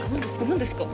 何ですか？